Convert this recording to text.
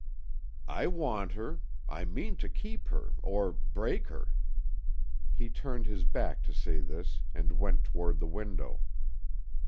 "I want her. I mean to keep her or break her." He turned his back to say this and went toward the window.